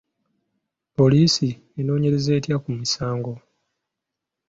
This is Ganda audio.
Poliisi enoonyereza etya ku misango?